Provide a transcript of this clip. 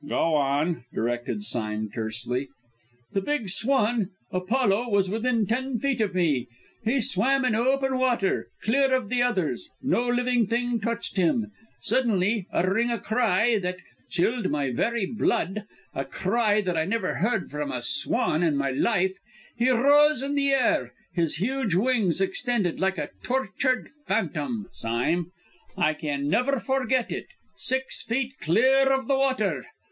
"Go on," directed Sime tersely. "The big swan Apollo was within ten feet of me; he swam in open water, clear of the others; no living thing touched him. Suddenly, uttering a cry that chilled my very blood, a cry that I never heard from a swan in my life, he rose in the air, his huge wings extended like a tortured phantom, Sime; I can never forget it six feet clear of the water.